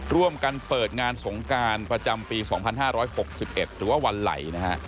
ร่วมกันเปิดงานสงการประจำปี๒๕๖๑หรือว่าวันไหลนะฮะ